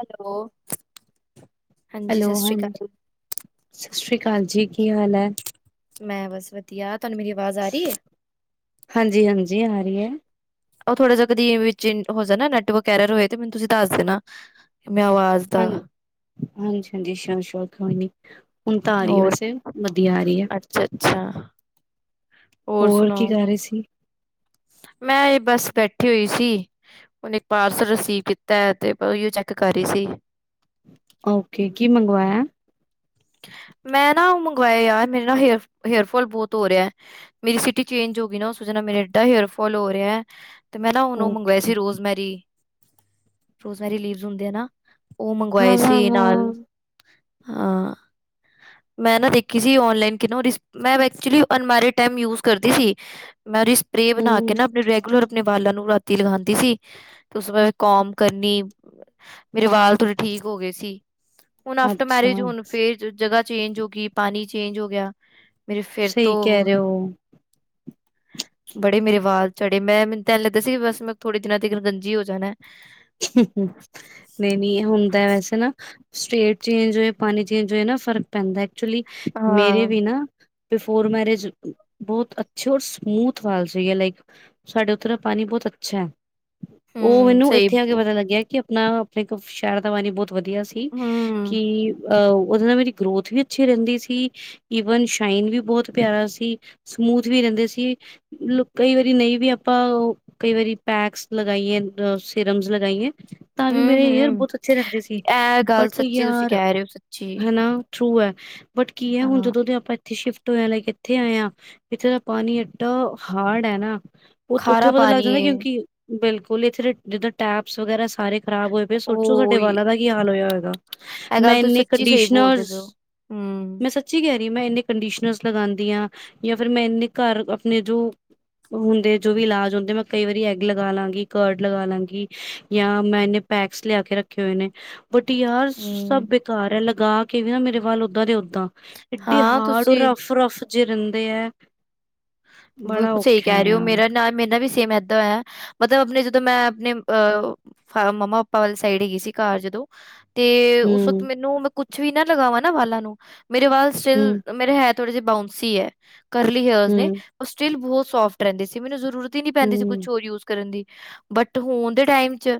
Hello ਹਾਂਜੀ hello ਸਤਿ ਸ਼੍ਰੀ ਹਾਂਜੀ ਅਕਾਲ। ਸਤਿ ਸ਼੍ਰੀ ਅਕਾਲ ਹਾਂ ਜੀ ਕੀ ਹਾਲ ਹੈ ਮੈਂ ਬਸ ਵਧੀਆ ਤੁਹਾਨੂੰ ਮੇਰੀ ਆਵਾਜ਼ ਆ ਰਹੀ ਏ? ਹਾਂਜੀ ਹਾਂਜੀ ਆ ਰਹੀ ਹੈ ਉਹ ਥੋੜਾ ਜ ਕ ਦੀ ਵਿੱਚ ਹੋ ਜਾਣਾ ਨੈਟ ਵਗੈਰਾ ਹੋਏ ਤੇ ਕਿ ਮੈਂ ਆਵਾਜ਼ ਹਾਂ ਦਾ ਹਾਂਜੀ ਹਾਂਜੀ ਸ਼ੋਰ ਸ਼ੋਂਰ ਕੋਈ ਨੀ ਹੁਣ ਤਾਂ ਆ ਰਹੀ ਹੈ ਹੋਰ ਵੈਸੇ ਵਧੀਆ ਆ ਰਹੀ ਹੈ ਅੱਛਾ-ਅੱਛਾ, ਹੋਰ ਕੀ ਕਰ ਰਹੀ ਸੀ ਮੈਂ ਇਹ ਬੱਸ ਬੈਠੀ ਹੋਈ ਸੀ ਉਹਨੇ ਇੱਕ ਪਾਰਸਲ ਰਿਸੀਵ ਕੀਤਾ ਹੈ ਅਤੇ ਓਹੀਓ ਚੈੱਕ ਕਰ ਰਹੀ ਸੀ ਓਕੇ ਕੀ ਮੰਗਵਾਇਆ ਮੈਂ ਨਾ ਉਹ ਮੰਗਵਾਇਆ ਯਾਰ ਮੇਰੇ ਨਾਲ ਹੇਰ ਹੇਅਰਫੋਾਲ ਬਹੁਤ ਹੋ ਰਿਹਾ ਮੇਰੀ ਸਿਟੀ ਚੇਂਜ ਹੋ ਗਈ ਨਾ ਉਸਚ ਨਾਲ ਮੇਰਾ ਡਾ ਹੇਅਰਫੋਲ ਹੋ ਰਿਹਾ ਹੈ ਤੇ ਮੈਂ ਨਾ ਉਹਨੂੰ ਓਕੇ ਮੰਗਵਾਏ ਸੀ ਰੋਜ਼ ਮੈਰੀ ਰੋਜ਼ਮੇਰੀ ਲੀਵਜ਼ ਹੁੰਦੇ ਆ ਨਾ ਉਹ ਮੰਗਵਾਏ ਹਾਂ ਹਾਂ ਸੀ ਨਾਲ ਹਾਂ ਹਾਂ ਮੈਂ ਨਾ ਦੇਖੀ ਸੀ ਆਨਲਾਈਨ ਕਿ ਉਹਦੀ ਮੈ actually unmarried time uz ਕਰਦੀ ਸੀ ਮੈਂ ਉਹਦੀ ਸਪਰੇ ਬਣਾ ਹਮ ਕੇ ਨਾ ਆਪਣੇ ਰੈਗੂਲਰ ਆਪਣੇ ਵਾਲਾਂ ਨੂੰ ਤੀ ਲਗਾਉਂਦੀ ਸੀ ਤੇ ਉਸ ਬਾਦ ਕੌਮ ਕਰਨੀ ਮੇਰੇ ਵਾਲ ਥੋੜੇ ਠੀਕ ਹੋ ਗਏ ਸੀ ਹੁਣ ਆਫਟਰ ਅੱਛਾ ਮੈਰਿਜ ਹੁਣ ਫੇਰ ਜਗ੍ਹਾ ਚੇਂਜ ਹੋ ਗਈ ਪਾਣੀ ਚੇਂਜ ਹੋ ਗਿਆ ਮੇਰੇ ਫਿਰ ਸਹੀ ਕਹਿ ਤੋਂ ਰਹੇ ਹੋ ਬੜੇ ਮੇਰੇ ਵਾਲ ਚੜੇ ਮੈਂ ਮੈਨੂੰ ਤੈੂੰ ਲਗ ਸੀ ਬਸ ਮੈਂ ਥੋੜੇ ਦਿਨਾ ਤ ਦਿਨ ਗੰਜੀ ਹੋ ਜਾਣਾ ਨਹੀਂ ਨਹੀਂ ਹੁੰਦਾ ਵੈਸੇ ਨਾ ਸਟੇਟ ਚੇਂਜ ਹੋਏ ਪਾਣੀ ਚੇਂਜ ਹੋਏ ਨਾ ਫ਼ਰਕ ਪੈਂਦਾ ਐਕਚੁਲੀ ਹਾਂ ਮੇਰੇ ਵੀ ਨਾ ਬਿਫੋਰ ਮੈਰਿਜ ਬਹੁਤ ਅੱਛੇ ਔਰ ਸਮੂਥ ਵਾਲ ਸੀ ਹੈ ਲਾਈਕ ਸਾਡੇ ਉੱਤਰ ਪਾਣੀ ਬਹੁਤ ਅੱਛਾ ਹੈ ਉਹ ਹੂੰ ਮੈਨੂੰ ਸਹੀ ਬੋ- ਪਤਾ ਲੱਗਿਆ ਆਪਣਾ ਆਪਣੇ ਕੋ ਸ਼ਹਿਰ ਦਾ ਪਾਂਣੀ ਬਹੁਤ ਵਧੀਆ ਸੀ ਹੂੰ ਕਿ ਅਹ ਉਹਦੇ ਨਾਲ ਮੇਰੀ ਗਰੋਥ ਵੀ ਅੱਛੀ ਰਹਿੰਦੀ ਸੀ ਈਵਨ ਸ਼ਾਈਨ ਵੀ ਬਹੁਤ ਪਿਆਰਾ ਸੀ ਸਮੂਥ ਵੀ ਰਹਿੰਦੇ ਸੀਤ ਕਈ ਵਾਰੀ ਨਹੀਂ ਵੀ ਆਪਾਂ ਕਈ ਵਾਰੀ ਪੈਕਸ ਲਗਾਈਏ ਅ ਸਿਰਮਸ ਲਗਾਾਈਏ ਤਾਂ ਵੀ ਹੂੰ ਮੇਰੇ ਏਅਰ ਹੂੰ ਬਹੁਤ ਅੱਛੇ ਰਹਿੰਦੇ ਸੀ ਇਹ ਗੱਲ ਬਟ ਸੱਚੀ ਤੁਸੀਂ ਯਆਰ ਕਹਿ ਰਹੇ ਹੋ ਸੱਚੀ ਹਨਾ ਥ੍ਰ ਹੈ ਅੱ [unintelligible] ਬਟ ਕੀ ਹੈ ਹੁਣ ਹਾਂ ਜਦੋਂ ਦੇ ਆਪਾਂ ਸ਼ਿਫਟ ਹੋਇਆ ਲਾਈਕ ਇੱਥੇ ਆਇਆ ਇੱਥੇ ਦਾ ਪਾਣੀ ਐਏਡਾ ਹਾਰਡ ਹੈ ਨਾ ਉ- ਉੱਥੇ ਖਾਰਾ ਪਤਾ ਲੱਗ ਪਾਣੀ ਜਾਂਦਾ। ਹੈ ਕਿਉਂਕਿ ਬਿਲਕੁਲ ਇੱਥਰੇ ਜਿੱਦੋਂ ਟੈਪਸ ਵਗੈਰਾ ਸਾਰੇ ਖ਼ਰਾਬ ਹੋਏ ਪਏ ਸੋਚੋ ਸਾਡੇ ਓ ਵਾਲਾਂ ਦਾ ਕੀ ਹਾਲ ਹੋਇਆ ਹੋਏਗਾ। ਇਹ ਗੱਲ ਮੈਂ ਤੁਸੀਂ ਇੰਨੇ ਸੱਚੀ ਸਹੀ ਬੋਲਦੇ ਕੰਡੀਸ਼ਨਰਸ਼, ਪਏ ਹੋ। ਹੂੰ। ਮੈਂ ਸੱਚੀ ਕਹਿ ਮੈਂ ਇਨੇ ਕੰਡੀਸ਼ਨਰ ਲਗਾਉਦੀ ਹਾਂ, ਜਾਂ ਫਿਰ ਮੈਂ ਇਨੇ ਘਰ ਆਪਣੇ ਜੋ ਹੁੰਦੇ ਜੋ, ਵੀ ਇਲਾਜ ਹੁੰਦੇ ਮੈਂ ਕਈ ਵਾਰੀ ਐਗ ਲਗਾ ਲਾਂਗੀ ।ਘਡ ਲਗਾ ਲੈਂਗੀ ਜਾਂ ਮੈਂ ਇਹਨੇ ਪੈਕਸ ਲਿਆ ਕੇ ਰੱਖੇ ਹੋਏ ਨੇ ਬਟ ਯਾਰ, ਸਭ ਹੂੰ, ਬੇਕਾਰ ਹੈ। ਲ ਲਗਾ ਕੇ ਵੀ ਨਾ ਮੇਰੇ ਵਾੱਲ ਉੱਦਾਂ ਦੇ ਹੋ ਏਡੇ ਹਾਂ ਹਾਰਡ ਔਰ ਤੁਸੀਂ ਰਫ -ਰਫ ਜੇ ਦਿੰਦੇ ਹੈ। ਬੜਾ ਬਿਲਕੁਲ ਸਹੀ ਔਖਾ ਕਹਿ ਹੈ ਰਹੇ ਹੋ। ਯਾਰ ਮੇਰਾ ਨਾ ਮੇਰਾ ਵੀ ਸੇਮ ਏਦਾਂ ਹੈ। ਮਤਲਬ ਆਪਣੇ ਜਦੋਂ ਮੈਂ ਆਪਣੇ ਅ ਮੰਮਾ- ਪਾਪਾ ਵਾਲੀ ਸਾਈਡ ਹੈਗੀ ਸੀ ।ਘਰ ਜਦੋਂ ਤੇ ਉਸ ਵਕਤ ਹਮ ਮੈਨੂੰ ਮੈਂ ਕੁ ਕੁਛ ਵੀ ਨਾ ਲਗਾਵਾਂ ਨਾ ਵਾਲਾਂ ਨੂੰ ਮੇਰੀ ਵਾਲ ਹਮ ਸੀ਼ਲਕ ਮੇਰੇ ਹੈ ਥੋੜੀ ਜਿਹੇ ਬਾਊਂਸੀ ਹੈ। ਕਰਲੀ ਹੇਯਰ ਨੇ ਹਮ ਸਟਿੱਲ ਬਹੁਤ ਸੋਫਟ ਰਹਿੰਦੇ ਸੀ। ਮੈਨੂੰ ਜ਼ਰੂਰਤ ਨੀ ਪੈਂਦੀ ਸੀ। ਹਮ ਕੁਛ ਹੋਰ ਯੂਜ ਕਰਨ ਦੀ ਬਟ ਹੁਣ ਦੇ ਟਾਈਮ ਚ,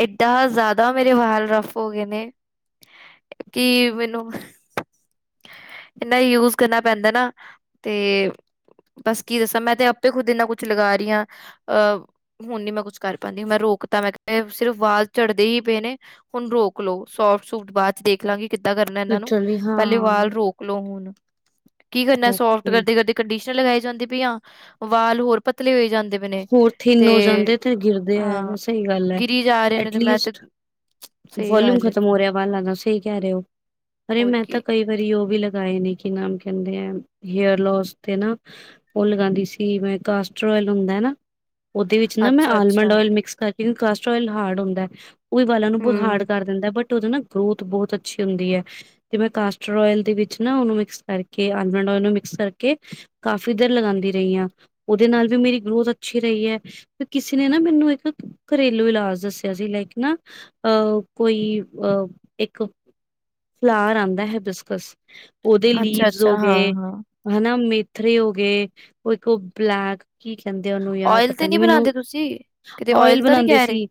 ਏਡਾਂ ਜ਼ਿਆਦਾ ਮੇਰੇ ਵਾਲ ਰਫ ਹੋ ਗਏ ਨੇ, ਕੀ ਮੈਨੂੰ, ਇਨਾ ਯੂਜ ਕਰਨਾ ਪੈਂਦਾ ਨਾ। ਤੇ ਬਸ ਕੀ ਦੱਸਾਂ। ਮੈਂ ਤੇ ਆਪੇ ਖੁੱਦ ਇਨਾ ਕੁਛ ਲਗਾ ਰਹੀ ਹਾਂ। ਅਹ ਹੁਣ ਨੀ ਮੈਂ ਕੁੱਛ ਕਰ ਪਾੰਦੀ ਹਾਂ ਮੈਂ ਰੋਕ ਤਾਂ ਮੈਂ ਸਿਰਫ ਵਾਲ ਝੜਦੇ ਹੀ ਪਏ ਨੇ ਹੁਣ ਰੋਕ ਲੋ। ਸੋਪ -ਸੁਪ ਬਾਅਦ ਚ ਦੇਖ ਲਾਂਗੀ। ਕਿੱਦਾਂ ਕਰਨਾ ਇਹਨਾਂ ਨੂੰ, ਲਿਟਰਲੀ ਹਾਂ ਪਹਿਲੇ ਵਾਲ ਰੋਕ ਲਓ ਹੁਣ। ਕੀ ਕਰਨਾ ਸੋਫਟ ਓਕੇ ਕਰਦੇ- ਕਰਦੇ ਕੰਡੀਸ਼ਨ ਲਗਾਏ ਜਾਂਦੇ ਪੀ ਹਾਂ। ਵਾਲ ਹੋਰ ਪਤਲੇ ਹੋਏ ਜਾਂਦੇ ਪਏ ਨੇ ਹੋਰ ਥਿੰਨ ਹੋ ਜਾਂਦੇ ਤੇ ਗਿਰਦੇ ਹੈ, ਹਾਂ ਸਹੀ ਗੱਲ ਹੈ ਗਿਰੀ ਜਾ ਰਹੇ ਨੇ ਤੇ ਮੈਂ ਤੇ ਐਟਲੀਸਟ ਸਹੀ ਵਿਊਮ ਗੱਲ ਹੈ ਖਤਮ ਹੋ ਰਿਹਾ ਵਾਲਦਾ ਸਹੀ ਕਹਿ ਰਹੇ ਹੋ ਅਰੇ ਹੋਰ ਮੈਂ ਤਾਂ ਕੀ ਕਈ ਵਾਰੀ ਉਹ ਵੀ ਲਗਾਏ ਨੇ ਕੀ ਨਾਮ ਕਹਿੰਦੇ ਆ ਹੇਅਰ ਲੋਸ ਤੇ ਨਾ ਉਹ ਲਗਾਉਂਦੀ ਸੀ। ਮੈਂ ਕਸਟਰਇਲ ਓਇਲ ਹੁੰਦਾ ਏ ਨਾ ਉਹਦੇ ਵਿੱਚ ਨਾ ਮੈਂ ਅੱਛਾ ਆਲਮੰਡ ਅੱਛਾ ਓਇਲ ਮਿਕਸ ਕਰਕੇ ਕਿਉਂਕ ਕੋਲਸਟੋਇਲ ਹਾਡ ਹੰਦਾ ਹੈ। ਉ ਵਾਲਾਂ ਨੂੰ ਬ ਹਾਰੜ ਹਮ ਕਰ ਦਿੰਦਾ ਬਟ ਉਹਦੇ ਨਾ ਗਰੋਥ ਬਹੁਤ ਅੱਛੀ ਹੁੰਦੀ ਹਾਂ। ਤੇ ਮੈਂ ਕਾਸਟਰ ਓਇਲ ਦੇ ਵਿੱਚ ਨਾ ਉਹਨੂੰ ਮਿਕਸ ਕਰਕੇ ਆਲਮੰਡ ਓਇਲ ਨੂੰ ਮਿਕਸ ਕਰਕੇ ਕਾਫੀ ਦੇਰ ਲਗਾਉਂਦੀ ਰਹੀ ਹਾਂ। ਉਹਦੇ ਨਾਲ ਵੀ ਮੇਰੀ ਗਰੋਥ ਅੱਛੀ ਰਹੀ ਹੈ। ਕਿਸੇ ਨੇ ਨਾ ਮੈਨੂੰ ਇੱਕ ਘਰੇਲੂ ਇਲਾਜ ਦੱਸਿਆ ਸੀ। ਲਾਈਕ ਨਾ ਅਹ ਕੋਈ ਅਹ ਇੱਕ ਫਲਾਰ ਆਉਂਦਾ ਹੈ। ਬਿਸਕਸ ਉਹਦੇ ਅੱਛਾ ਲੀਵਸ ਹੋ ਅੱਛਾ ਹਾਂ ਗਏ ਹਾਂ ।ਹਨਾ ਮੇ ਪਥਰੇ ਹੋ ਗਏ। ਕੋਈ ਕੋ ਬਲੈਕ ਕੀ ਕਹਿੰਦੇ ਆ ਉਹਨੂੰ ਯਾਰ ਓਇਲ ਤੇ ਪਤਾ ਨੀ ਨਹੀਂ ਮੈਨੂੰ ਬਣਾਉਂਦੇ ਤੁਸੀਂ ਕਿਤੇ ਓਇਲ ਤਾਂ ਨਹੀਂ ਬਣਾਉਂਦੇ ਕਹਿ ਰਹੇ ਸੀ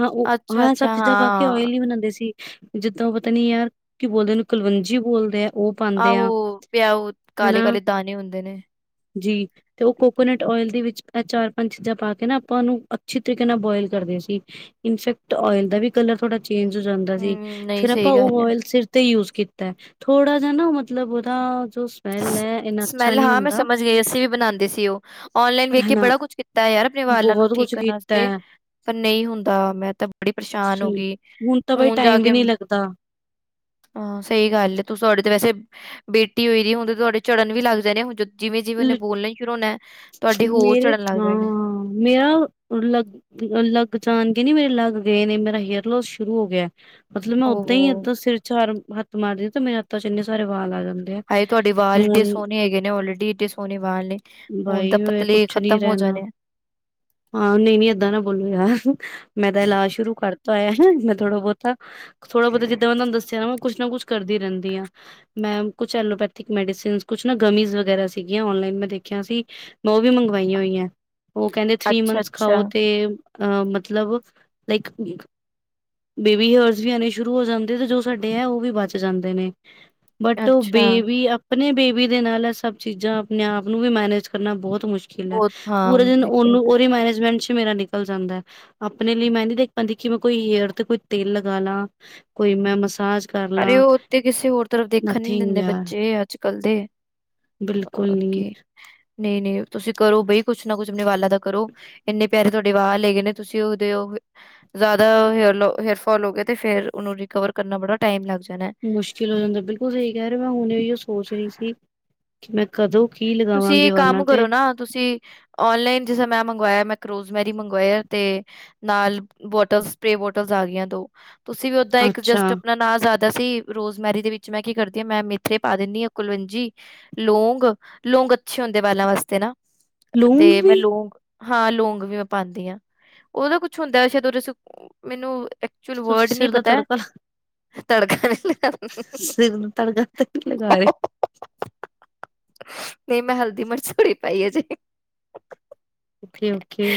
।ਹਾਂ ਉਹ ਅੱਛਾ ਹਾਂ ਸਭ ਅੱਛਾ ਚੀਜ਼ਾਂ ਪਾ ਕੇ ਹਾਂ ਓਇਲ ਨ ਬਣਾਉਂਦੇ ਸੀ। ਜਿੱਦਾਂ ਉਹ ਪਤਾ ਨੀ ਯਾਰ ਕੀ ਬੋਲਦੇ ਉਹਨੂੰ ਕੁਲਵੰਜੀ ਬੋਲਦੇ ਆ। ਉਹ ਪਾਦੇ ਆਹੋ ਆ ਪਿਆਉ ਹੈਨਾ ਕਾਲੇ ਕਾਲੇ ਦਾਣੇ ਹੁੰਦੇ ਨੇ ਜੀ ਤੇ ਉਹ ਕੋਕੋਨਟ ਚਾਰ ਪੰਜ ਚੀਜ਼ਾਂ ਪਾ ਕੇ ਨਾ ਆਪਾਂ ਉਹਨੂੰ ਅੱਛੀ ਤਰੀਕੇ ਨਾਲ ਬੋਇਲ ਕਰਦੇ ਸੀ ਇਨਫੈਕਟ ਓਇਲ ਦਾ ਵੀ ਕਲਰ ਥੋੜਾ ਚੇਂਜ ਹੋ ਜਾਂਦਾ ਸੀ ਹਮ ਨਹੀਂ ਫੇਰ ਆਪਾਂ ਸਹੀ ਉਹ ਗੱਲ ਹੈ ਓਇਲ ਸਿਰ ਤੇ ਯੂਜ ਕੀਤਾ ਥੋੜਾ ਜਿਹਾ ਨਾ ਮਤਲਬ ਉਹਦਾ ਜੋ ਸਮੈਲ ਹੈ ਇੰਨਾ ਅੱਛਾ ਸਮੈਲ ਨਹੀਂ ਹਾਂ ਮੈਂ ਹੁੰਦਾ। ਸਮਝ ਗਈ, ਅਸੀਂ ਵੀ ਬਣਾਦੇ ਸੀ ਉਹ ਔਨਲਾਈਨ ਵੇਖ ਹਨਾ ਬੜਾ ਕੁਛ ਕੀਤਾ ਹੈ ਆਪਣੇ ਵਾਲਾਂ ਨੂੰ ਬਹੁਤ ਠੀਕ ਕੁਛ ਕਰਨ ਕੀਤਾ ਵਾਸਤੇ ਹੈ। ਪਰ ਨਹੀਂ ਹੁੰਦਾ ਮੈਂ ਤਾਂ ਬੜੀ ਪਰੇਸ਼ਾਨ ਹੋ ਸਹੀ ਗਈ ਤਾਂ ਬਈ ਹੁਣ ਜਾ ਟਾਈਮ ਵੀ ਕੇ ਨਹੀਂ ਲੱਗਦਾ। ਹਾਂ ਸਹੀ ਗੱਲ ਹੈ ਤੂੰ ਤੁਹਾਡੇ ਤੇ ਵੈਸੇ ਬੇਟੀ ਹੋਈ ਦੀ ਹੁਣ ਤੁਹਾਡੇ ਚੜਨ ਵੀ ਲੱਗਦੇ ਨੇ ਹਣੋਂ ਤੁਹਾਡੇ ਹੋਰ ਮੇਰੇ ਝੜਨ ਲੱਗ ਹਾਂ ਜਾਣੇ ਮੇਰਾ ਲਗ ਲਗ ਜਾਨ ਨੀ ਮੇਰੇ ਲੱਗ ਗਏ ਨੇ ਮੇਰਾ ਹੇਅਰ ਲੋੋਸ ਸ਼ੁਰੂ ਹੋ ਗਿਆ। ਮਤਲਬ ਮੈਂ ਓਦਾਂ ਹੀ ਓਹੋ ਏਦਾਂ ਸਿਰ ਚਾਰ ਹੱਥ ਮਾਰਦੀ ਤੇ ਮੇਰੇ ਹਥਾਂ ਚ ਇੰਨੇ ਸਾਰੇ ਵਾਲਂ ਆਗਦਾ ਹਏ ਤੁਹਾਡੀ ਆਜ਼ ਇਡੇ ਸੋਹਣੀ ਹੈਗੇ ਨੇ ਆਲਰੇਡੀ ਏਡੇ ਸੋਹਣੇ ਵਾਲ ਨੇ ਹੁਣ ਤਾਂ ਬਾਈ ਪਤਲੇ ਕੁਛ ਨੀ ਖ਼ਤਮ ਹੋ ਰਹਿਣਾ ਜਾਣੇ ਹਾਂ ਨਹੀਂ ਨੀ ਏਦਾਂ ਨਾ ਬੋਲੋ ਯਾਰ ਮੈਂ ਤਾਂ ਇਲਾਜ ਸ਼ੁਰੂ ਕਰ ਤਾ ਹੈ ਮੈਂ ਥੋੜਾ ਬਹੁਤਾ ਥੋੜਾ ਬੋਤਾ ਜਿੱਦਾਂ ਉਹਨਾਂ ਨੂੰ ਦੱਸਿਆ ਨਾ ਕੁਛ ਨਾ ਕੁਛ ਕਰਦੀ ਰਹਿੰਦੀ ਆ ਮੈ ਕੁੱਛ ਲੋਪੈਥਿਕ ਮੈਡੀਸਨ, ਕੁੱਛ ਨਾ ਗਮੀ ਵਗੈਰਾ ਸੀਗੀਆਂ ਔਨਲਾਈਨ ਮੈਂ ਦੇਖਿਆ ਸੀ ਮੈਂ ਉਹ ਵੀ ਮੰਗਵਾਈਆਂ ਆ। ਹੋਈਆਂ। ਉਹ ਕਹਿੰਦੇ ਥ੍ਰਰੀ ਅੱਛਾ ਮੰਥਸ ਅੱਛਾ ਖਾਓ ਤੇ ਅ ਮਤਲਬ ਲਾਈਕ ਬੇਬੀ ਹੇਅਰਸ ਵੀ ਆਉਣੇ ਸ਼ੁਰੂ ਹੋ ਜਾਂਦੇ ਤੇ ਜੋ ਸਾਡੇ ਹੈ ਉਹ ਵੀ ਬਚ ਜਾਂਦੇ ਨੇ। ਬਟ ਉਹ ਅੱਛਾ ਬੇਬੀ ਆਪਣੇ ਬੇਬੀ ਦੇ ਨਾਲ ਸਭ ਚੀਜ਼ਾਂ ਆਪਣੇ ਆਪ ਨੂੰ ਵੀ ਮੈਨੇਜ ਕਰਨਾ ਬਹੁਤ ਮੁਸ਼ਕਿਲ ਹੈ ਬਹੁਤ ਹਾਂ ਪੂਰੇ ਦਿਨ ਉਹਨੂੰ ਦੇਖੇਗਾ। ਉਹਦੇ ਮੈਨੇਜਮੈਂਟ ਚ ਮੇਰਾ ਨਿਕਲ ਜਾਂਦਾ ਹੈ ਆਪਣੇ ਲਈ ਮੈਂ ਨਹੀ ਦੇਖ ਪਾਦੀ ਕਿ ਮੈਂ ਕੋਈ ਹੇਅਰ ਤੇ ਕੋਈ ਤੇਲ ਲਗਾ ਲਾ ਕੋਈ ਮੈਂ ਮਸਾਜ ਕਰ ਅਰੇ ਲਾਂ ਉਹ ਉੱਥੇ ਕਿਸੇ ਹੋਰ ਤਰਫ ਦੇਖਣ ਨੀ ਨਥਿੰਗ ਦਿੰਦੇ ਯਾਰ ਬੱਚੇ ਅੱਜ ਕੱਲ ਦੇ ਬਿਲਕੁਲ ਨੀ ਓਕੇ ਨਹੀਂ ਨਹੀਂ ਤੁਸੀਂ ਕਰੋ ਬਈ ਕੁਛ ਨਾ ਕੁਛ ਆਪਣੇ ਵਾਲਾਂ ਦਾ ਕਰੋ ਇੰਨੇ ਪਿਆਰੇ ਤੁਹਾਡੇ ਵਾਹ ਹੇ ਗਨੇ ਤੁਸੀਂ ਉਹਦੇ ਜ਼ਿਆਦਾ ਹੇਅਰ ਹੇਅਰ ਫੋਲ ਹੋ ਗਏ ਤੇ ਫੇਰ ਉਹਨੂੰ ਰਿਕਵਰ ਕਰਨਾ ਬੜਾ ਟਾਈਮ ਲਗ ਜ ਮੁਸ਼ਕਿਲ ਹੋ ਜਾਂਦਾ ਬਿਲਕੁਲ ਸਹੀ ਕਹਿ ਰਿਹੇ ਮੈ ਹੁਣੇ ਸੋਚ ਰਹੀ ਸੀ ਕਿ ਮੈਂ ਕਦੋ ਤੁਸੀਂ ਕੰਮ ਕਰੋ ਨਾ ਤੁਸੀਂ ਔਨਲਾਈਨ ਜਿਸ ਮੈਂ ਮੰਗਵਾਇਆ ਮੈਂ ਰੋਜ਼ਮੈਰੀ ਮੰਗਵਾਇਆ ਤੇ ਨਾਲ ਬੋਟਲ ਸਪ੍ਰਰੇ ਬੋਟਲ ਆ ਗਿਆਂ ਦੋ ਤੁਸੀਂ ਵੀ ਓਦਾਂ ਇੱਕ ਜਸਟ ਅੱਛਾ ਆਪਣਾ ਨਾਂ ਦਾਂ ਸੀ ਰੋਜ਼ਮੈਰੀ ਦੇ ਵਿੱਚ ਮੈਂ ਕੀ ਕਰਦੀ ਹਾਂ ਮੈਂ ਮੇਥੇ ਪਾ ਦਿੰਦੀ ਹਾਂ ਕੁਲਵੰਜੀ ਲੋਂਂਗ ਲੋਂਗ ਅੱਛੇ ਹੁੰਦੇ ਬਾਲਾਂ ਵਾਸਤੇ ਨਾ ਤੇ ਲੂੰਗ ਮੈਂ ਵੀ ਲੋਂਗ ਹਾਂ ਲੌਂਗ ਵੀ ਮੈਂ ਪਾਉਂਦੀ ਹਾਂ ਉਹਦਾ ਕੁਛ ਹੁੰਦਾ ਸ਼ੇਦ ਮੈਨੂੰ ਐਕਚੁਅਲ ਤੁਸੀਂ ਵਰਡ ਨਹੀਂ ਸਿਰ ਦਾ ਪਤਾ ਤੜਕਾ ਹੈ ਤੜਕਾਣ ਲਈ ਸਿਰ ਤੜਕਾ ਤੇ ਨਹੀਂ ਲਗਾ ਰਹੇ ਨਹੀਂ ਮੈਂ ਹਲਦੀ ਮਿਰਚ ਥੋੜੀ ਪਾਈ ਹਜੇ ਓਕੇ- ਓਕੇ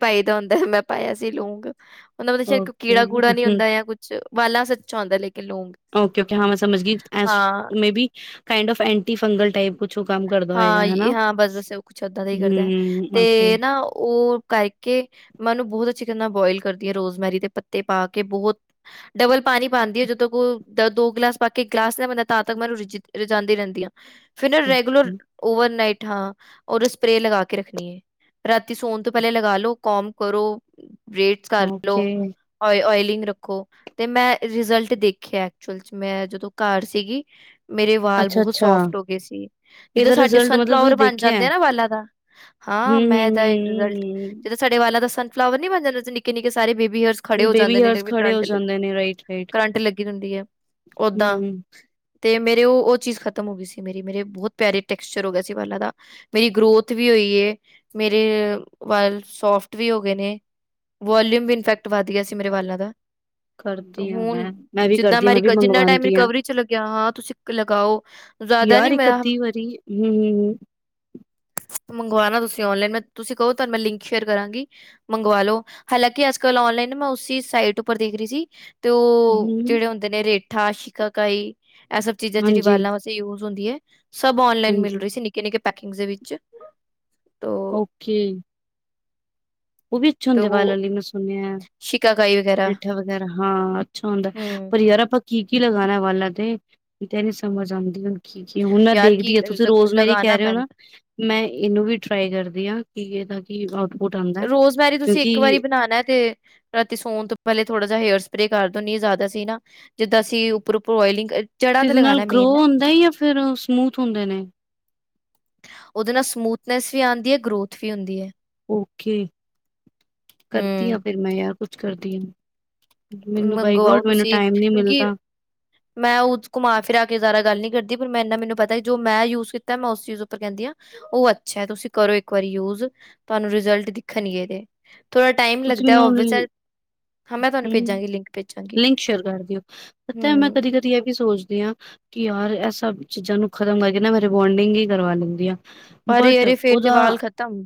ਪਾਈ ਦਾ ਹੁੰਦਾ ਮੈਂ ਪਾਇਆ ਸੀ ਲੋਂਗ ਉਹਨਾ ਚ ਸ਼ਾਇਦ ਕੀੜਾ ਕੂੜਾ ਨੀ ਓਕੇ ਹੁੰਦਾ ਕੁਛ ਵਾਲਾ ਵਾਸੇ ਅਛਾ ਆਉਂਦਾ ਹੈ ਓਕੇ-ਓਕੇ ਹਾਂ ਮੈਂ ਸਮਝ ਗਈ ਐਸ ਹਾਂ maybe kind of anti fungal type ਹਾਂ- ਹਾਂ ਬਸ- ਬਸ ਉਹ ਕੁਛ ਐਦਾਂ ਦਾ ਹੀ ਕਰਦਾ ਤੇ ਨਾ ਉਹ ਕਰਕੇ ਮੈਨੂੰ ਬਹੁਤ ਚਿਕਨ ਨਾਲ ਬੋਇਲ ਕਰਦੀ ਆ ਰੋਜ਼ਮੈਰੀ ਦੇ ਪੱਤੇ ਪਾ ਕੇ ਬਹੁਤ ਡਬਲ ਪਾਣੀ ਪਾਉਂਦੀ ਹੈ ਜਦੋਂ ਕੋ ਦ ਦੋ ਗਲਾਸ ਪਾ ਕੇ ਇੱਕ ਗਲਾਸ ਲ ਬੈਂਦਾ ਤਾਂ ਤੱਕ ਮੈਨੂੰ ਰਜ ਰਜਾਂਉਦੀ ਰਹਿੰਦੀ ਆ ਫਿਰ ਨਾ ਰੈਗੂਲਰ ਓਵਰ ਨਈਟ ਹਾਂ ਨ ਸਪਰੇ ਲਗਾ ਕੇ ਰੱਖਣੀ ਹੈ ਰਾਤੀ ਸੋਣ ਤੋਂ ਪਹਿਲੇ ਲਗਾ ਲੋ ਕੋਮ ਕਰੋ ਬ੍ਰੇਡਸ ਕਰਲਓ ਓ ਓਇਲੀੰਗ ਰੱਖੋ ਤੇ ਮੈਂ ਰਿਜ਼ਲਟ ਦੇਖਿਆ ਐਕਚੁਅਲ ਚ ਮੈਂ ਜਦੋਂ ਘਰ ਸੀਗੀ ਮੇਰੇ ਵਾਲ ਬਹੁਤ ਸੋਫਟ ਹੋ ਗਏ ਸੀ ਜਿੱਦਾਂ ਇਹਦਾ ਸਾਡੇ ਰਿਜ਼ਲਟ ਮਤਲਬ ਤੁਸੀਂ ਸਨਫਲਾਵਰ ਬਣ ਦੇਖਿਆ ਹੈ? ਜਾਂਦੇ ਆ ਨਾ ਵਾਲਾਂ ਦਾ ਹੂੰ, ਹਾਂ ਮੈਂ ਹੂੰ, ਇਹਦਾ ਰਿਜ਼ਲਟ ਹੂੰ, ਜਿੱਦਾਂ ਸਾਡੇ ਪਹਿਲਾ ਤਾਂ ਸਨਫਲਾਵਰ ਨਹੀਂ ਬਣ ਜਾਂਦੇ ਸੀ ਨਿੱਕੇ ਨਿੱਕੇ ਸਾਰੇ ਬੇਬੀ ਹੇਅਰ ਖੜੇ ਹੂੰ। ਹੋ ਬੇਬੀ ਜਾਂਦੇ ਨੇ ਹੇਅਰਸ ਖੜੇ ਹੋ ਜਾਂਦੇ ਨੇ ਰਾਈਟ, ਰਾਈਟ। ਕਰੰਟ-ਕਰੰਟ ਲੱਗੀ ਹੁੰਦੀ ਹੈ ਓਦਾਂ ਹੂੰ, ਤੇ ਮੇਰੇ ਉਹ ਚੀਜ਼ ਖਤਮ ਹੋ ਗਈ ਸੀ ਮੇਰੀ ਮੇਰੇ ਬਹੁਤ ਪਿਆਰੇ ਟੈਕਸਚਰ ਹੋ ਗਿਆ ਸੀ ਵਾਲਾਂ ਦਾ ਮੇਰੀ ਗਰੋਥ ਵੀ ਹੋਈ ਹੈ ਮੇਰੇ ਵਾਲ ਸੋਫਟ ਵੀ ਹੋ ਗਏ ਨੇ ਵੋਲੀਊਮ ਵੀ ਇਨਫੈਕਟ ਵੱਧ ਗਿਆ ਸੀ ਮੇਰੇ ਵਾਲਾਂ ਦਾ ਤੇ ਕਰਦੀ ਆ ਹੁਣ ਮੈਂ, ਵੀ ਜਿੱਦਾਂ ਕਰਦੀ ਹਾਂ, ਮੈਂ ਵੀ ਜਿੰਨਾ ਟਾਈਮ ਮੰਗਵਾਉਂਦੀ ਹਾਂ। ਰਿਕਵਰੀ ਚ ਲੱਗਿਆ ਹਾਂ ਤੁਸੀਂ ਲਗਾਓ। ਜ਼ਿਆਦਾ ਯਾਰ ਨੀ ਇੱਕ ਮੈਂ -ਅੱਧੀ ਵਾਰੀ ਹੂੰ ਮੰਗਵਾਣਾ ਤੁਸੀਂ ਔਨਲਾਈਨ ਮੈਂ ਤੁਸੀਂ ਕਹੋ ਤੁਹਾਨੂੰ ਮੈਂ ਲਿੰਕ ਸ਼ੇਅਰ ਕਰਾਂਗੀ, ਮੰਗਵਾ ਲੋ ਹਾਲਾਂਕਿ ਅੱਜ ਕਲ ਔਨਲਾਈਨ ਮੈਂ ਉਸਸੀ ਸਾਈਟ ਉਪਰ ਦੇਖ ਰਹੀ ਸੀ। ਤੇ ਹੂੰ, ਉਹ ਹੂੰ, ਜਿਹੜੇ ਹੁੰਦੇ ਨੇ ਰੇਟ ਥਾ ਸ਼ਿਕਾਰੀ ਇਹ ਸਭ ਚੀਜ਼ਾਂ ਜਿਹੜੀ ਹਾਂਜੀ, ਵਾਲਾ ਵਾਸਤੇ ਯੂਜ - ਹੁੰਦੀ ਹੈ। ਸਭ ਔਨਲਾਈਨ ਮਿਲ ਹਾਂਜੀ, ਰਹੀ ਸੀ ਨਿੱਕੇ-ਨਿੱਕੇ, ਪੈਕਿੰਗ ਦੇ ਵਿੱਚ ਓਕੇ ਉਹ ਵੀ ਅੱਛੇ ਤੇ ਹੁੰਦੇ ਬਾਲਾਂ ਉਹ ਲਈ ਮੈਂ ਸੁਣ ਸ਼ਿਕਾਕਾਈ ਵਗੈਰਾ ਜੇਠਾ ਵਗੈਰਾ ਹਾਂ ਅੱਛਾ ਹੁੰਦਾ, ਹਮ ਪਰ ਯਾਰ ਆਪਾਂ ਕੀ ਕਿ ਲਗਾਣਾ ਵਾਲਾ ਤੇ, ਮੈਨੂੰ ਐ ਨੀ ਸਮਝ ਆਦੀ ਹੁਣ ਜ ਹੁਣ ਮੈਂ ਯਾਰ ਦੇਖਦੀ ਕੀ ਹਾਂ ਤੁਸੀਂ ਰੋਜ਼ਮੇਰੀ ਲਗਾਨਾ ਕਹਿ ਰਹੇ ਹੋ ਪੈਂਦਾ ਨਾ ਮੈਂ ਇਹਨੂੰ ਵੀ ਟਰਾਈ ਕਰਦੀ ਹਾਂ ਕਿ ਇਹਦਾ ਠੀਕ ਬਹੁਤ ਆਦਾ ਵਾਰੀ ਤੁਸੀਂ ਇੱਕ ਵਾਰੀ ਬਣਾਣਾ ਤੇ ਰਾਤੀ ਸੌਣ ਤੋਂ ਪਹਿਲੇ ਥੋੜਾ ਹੇਅਰ ਸਪਰੇ ਕਰ ਦੇ ਜ਼ਿਆਦਾ ਸੀ ਨਾ ਜਿੱਦਾਂ ਸੀ ਉੱਪਰ- ਉੱਪਰ ਔਇਲਿੰਗ ਜਿਹਦੇ ਨਾਲ ਗਰੋ ਹੁੰਦਾ ਜਾਂ ਫਿਰ ਸਮੂਥ ਹੁੰਦੇ ਨੇ, ਉਹਦੇ ਨਾਲ ਸਮੂਥਨੈਸ ਵੀ ਆਦੀ ਹੈ ਗਰੋਥ ਵੀ ਹੁੰਦੀ ਹੈ। ਓਕੇ ਕਰਦੀ ਹਾਂ ਹੂੰ ਫਿਰ ਮੈਂ ਯਾਰ ਕੁਛ ਕਰਦੀ ਆ। ਮੈਨੂੰ ਬਾਈ ਮੰਗਵਾਓ ਗੋਡ ਮੈਨੂੰ ਤੁਸੀਂ ਟਾਈਮ ਨੀ ਕਿਉਂਕਿ ਮਿਲਦਾ ਮੈਂ ਉਹ ਘੁਮਾ ਫਿਰਾ ਕੇ ਜ਼ਿਆਦਾ ਗੱਲ ਨੀ ਕਰਦੀ ਪਰ ਮੈਂ ਇਨਾ ਮ ਨ ਪਤਾ ਜੋ ਮੈਂ ਯੂਜ ਕੀਤਾ ਮੈਂ ਉਸ ਚੀਜ਼ ਉਪਰ ਕਹਿੰਦੀ ਆ। ਉਹ ਅੱਛਾ ਤੁਸੀਂ ਕਰੋ ਇੱਕ ਵਾਰੀ ਯੂਜ ਤੁਹਾਨੂੰ ਰਿਜਲਟ ਦਿਖਣਗੇ ਇਹਦੇ ਥੋੜਾ ਟਾਈਮ ਲੱਗਦਾ ਉਹ ਵੀ ਚਲ, ਹਾਂ ਮੈਂ ਤੁਹਾਨੂੰ ਹ ਭੇਜਾਂਗੀ ਲਿੰਕ ਭੇਜਾਂਗੀ ਲਿੰਕ ਸ਼ੇਅਰ ਕਰ ਦਿਓ ਪਤਾ ਮੈਂ ਹੂੰ ਕਦੀ -ਕਦੀ ਇਹ ਵੀ ਸੋਚਦੀ ਕਿ ਯਾਰ ਇਹ ਸਭ ਚੀਜ਼ਾਂ ਨੂੰ ਖਤਮ ਕਰਕੇ ਨਾ, ਮੈ ਰੀਬੋਂਡਿੰਗ ਹੀ ਕਰਵਾ ਲੈਂਦੇ। ਪਰ ਬਟ ਅਰੇ ਫੇਰ ਤੇ ਉਹਦਾ, ਵਾਲ ਖ਼ਤਮ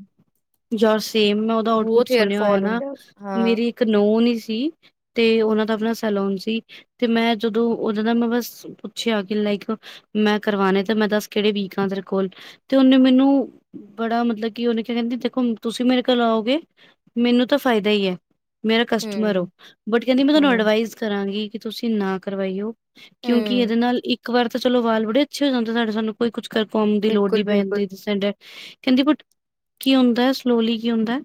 ਯਾਰ ਸੇਮ ਮੈਂ ਉਹਦਾ ਆਊਟ ਪੁੱਟ ਬਹੁਤ ਸੁਣਿਆ ਹੋਇਆ। ਹੇਅਰਫੋਲ ਨਾ ਹੁੰਦਾ ਉਸ ਹਾਂ, ਮੇਰੀ ਇੱਕ ਇਕ ਨੋਨ ਸੀ ਤੇ ਉਹਨਾ ਦਾ ਆਪਣਾ ਲੋਨ ਸੀ ਤੇ ਮੈਂ ਜਦੋਂ ਉਹਨਾਂ ਦਾ ਮੈਂ ਬਸ ਪੁੱਛਿਆ ਕਿ ਲਾਈਕ ਮੈਂ ਕਰਵਾਣੇ ਤੇ ਮੈਂ ਦੱਸ ਕਿਹੜੇ ਵੀਕ ਆ ਤੇਰੇ ਕੋਲ ਤੇ ਉਹਨੇ ਮੈਨੂੰ ਬੜਾ ਮਤਲਬ ਕਿ ਉਹਨੇ ਕ ਕਹਿੰਦੀ ਦੇਖੋ ਤੁਸੀਂ ਮੇਰੇ ਕੋਲ ਆਓਗੇ। ਮੈਨੂੰ ਤਾਂ ਫ਼ਾਇਦਾ ਹੀ ਹੈ ਮੇਰਾ ਕਸਟਮਰ ਹੂੰ, ਹੋਬਟ ਕਹਿੰਦੀ ਮੈਂ ਤੁਹਾਨੂੰ ਹੂੰ, ਅਡਵਾਈਜ਼ ਕਰਾਂਗੀ ਕਿ ਤੁਸੀਂ ਨਾ ਕਰਵਾਈਓ ਕਿਉਂਕਿ ਹੂੰ, ਇਹਦੇ ਨਾਲ ਇੱਕ ਇੱਕ ਵਾਰ ਤਾਂ ਚਲੋ ਵਾਲ ਬੜੇ ਅੱਛੇ ਹੋ ਜਾਂਦੇ ਸਾਡੇ ਸਾਨੂੰ ਕੋਈ ਕੁਛ ਕੰਮ ਦੀ ਲੋੜ ਨਹੀਂ ਪੈ ਬਿਲਕੁਲ-ਬਿਲਕੁਲ। ਜਾਂਦੀ ਸ ਕਹਿੰਦੀ ਕੀ ਹੁੰਦਾ ਸਲੋਲੀ ਕੀ ਹੁੰਦਾ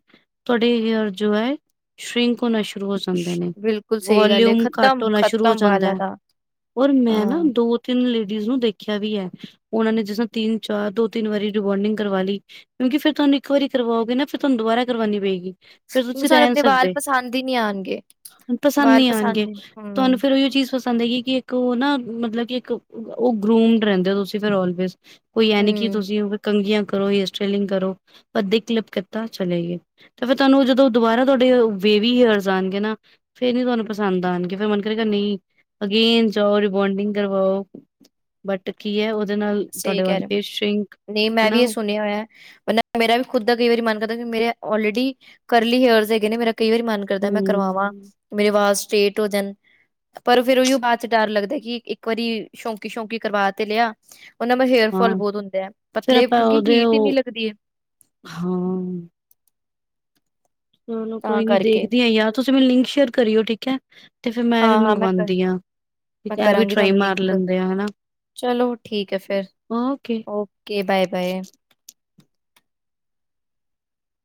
ਤੁਹਾਡੇ [unintelligible] ਜੋ ਹੈ ਸ਼ਿਰਕ ਹੋਣਾ ਸ਼ੁਰੂ ਸ਼ੁਰੂ ਹੋ ਜਾਂਦੇ ਨੇ ਬਿਲਕੁਲ ਸਹੀ ਗੱਲ ਏ, ਵੋਲਿਮਅ ਘੱਟ ਹੋਣਾ ਸ਼ੁਰੂ ਹੋ ਖ਼ਤਮ-ਖ਼ਤਮ ਜਾਂਦਾ ਵਾਲਾਂ ਹੈ ਦਾ, ਔਰ ਮੈਂ ਨਾ ਹਾਂ। ਦੋ ਤਿੰਨ ਲੀ ਨੂੰ ਦੇਖਿਆ ਵੀ ਹੈ ਉਹਨਾ ਨੇ ਜਿਸ ਤਿੰਨ ਚਾਰ ਦੋ ਤਿੰਨ ਵਾਰੀ ਰਿਵਾਰਡਿੰਗ ਕਰਵਾ ਲਈ ਕਿਉਂਕ ਫ਼ਿਰ ਤੁਹਾਨੂੰ ਇੱਕ ਵਾਰੀ ਕਰਵਾਓਗੇ ਨਾ ਫੇਰ ਤੁਹਾਨੂੰ ਦੁਬਾਰਾ ਕਰਵਾਉਣੀ ਪਏਗੀ ਫਿਰ ਕਿਉਂਕਿ ਤੁਸੀਂ ਸਾਨੂੰ ਰਹਿ ਨੀ ਆਪਣੇ ਵਾਲ ਸਕਦੇ ਪਸੰਦ ਹੀ ਨਹੀਂ ਆਣਗੇ, ਪਸੰਦ ਵਾਲ ਨੀ ਆਣਗੇ ਹੀ ਤੁਹਾਨੂੰ ਹੂੰ, ਫੇਰ ਉਹੀ ਉਹ ਚੀਜ਼ ਪਸੰਦ ਆਏਗੀ ਕਿ ਇੱਕ ਉਹ ਨਾ ਮਤਲਬ ਕਿ ਇੱਕ ਉਹ ਗਰੂਮਡ ਰਹਿੰਦੇ ਹੋ ਤੁਸੀਂ ਫਿਰ ਉਲਵੇਜ਼ ਕੋਈ ਐ ਨੀ ਕਿ ਹੂੰ, ਤੁਸੀਂ ਕੰਘੀਆਂ ਕਰੋ ਹੇਅਰ ਸਟਾਈਲਿੰਗ ਕਰੋ ਅੱਧੇ ਕਲਿਪ ਕੀਤਾ ਚਲੇ ਗਏ ਤੇ ਫੇਰ ਤੁਹਾਨੂੰ ਜਦੋਂ ਦੁਬਾਰਾ ਤੁਹਾਡੇ ਵੇਵੀ ਹੇਅਰਸ ਆਉਣਗੇ ਨਾ ਫੇਰ ਨੀ ਤੁਹਾਨੂੰ ਪਸੰਦ ਆਣਗੇ ਫਿਰ ਮਨ ਕਰੇਗਾ ਨਹੀਂ ਅਗੇਨ ਜਾਓ ਰਿਬੋਂਡਿੰਗ ਕਰਵਾਓ ਬਟ ਕੀ ਹੈ ਨਾਲ ਸਹੀ ਤੁਹਾਡੇ ਕਹਿ ਵੱਲ ਰਹੇ ਫੇਸ ਸ਼ਿੰਕ ਨਹੀਂ ਮੈਂ ਵੀ ਹਨਾ ਇਹ ਸੁਣਿਆ ਹੋਇਆ ਮੇਰਾ ਵੀ ਖੁਦ ਦਾ ਕਈ ਵਾਰੀ ਮਨ ਕਰਦਾ ਮੇਰੇ ਊਲਰੇਡੀ ਕਰਲੀ ਹੇਅਰਸ ਹੈਗੇ ਨੇ ਮੇਰਾ ਕਈ ਵਾਰੀ ਮਨ ਕਰਦਾ ਮੈਂ ਕਰਵਾਵਾਂ ਹੂੰ ਮੇਰੀ ਵਾਲ ਸਟੇਟ ਹੋ ਜਾਣ ਪਰ ਫੇਰ ਓਹੀਓ ਬਾਅਦ ਚ ਡਰ ਲੱਗਦਾ ਕਿ ਇੱਕ ਵਾਰੀ ਸ਼ੌਂਕੀ ਸ਼ੌਂਕੀ ਕਰਵਾ ਤੇ ਲਿਆ ਉਹਨਾਂ [unintelligible] ਹੇਅਰਫੋਾਲ ਹਾਂ ਬਹੁਤ ਹੁੰਦੇ ਹੈ ਫਿਰ ਪਤਲੇ ਆਪਾਂ ਕਿਉਕਿ ਉਹਦੇ ਹੀਟ ਹੀ ਐਨੀ ਉਹ ਲੱਗਦੀ ਹੈ ਹਾਂ ਚਲੋ ਤਾਂ ਕੋਈ ਨੀ ਕਰਕੇ ਦੇਖਦੀ ਆ ਯਾਰ ਤੁਸੀਂ ਮੈਨੂੰ ਲਿੰਕ ਸ਼ੇਅਰ ਕਰਿਓ ਠੀਕ ਹੈ ਤੇ ਫੇਰ ਵੀ ਹਾਂ ਹਾਂ ਮੈਂ ਮੰਗਵਾਉਂਦੀ ਹਾਂ ਮੈਂ ਇਹ ਵੀ ਕਰਾਂਗੀ ਟਰਾਈ ਤੁਹਾਨੂੰ ਮਾਰ ਲਿੰਕ ਲੈਂਦੇ ਆ ਹਨਾ ਚਲੋ ਠੀਕ ਹੈ ਫਿਰ ਓਕੇ। Okay bye -bye